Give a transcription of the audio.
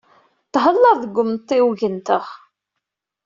Thella deg umtiweg-nteɣ.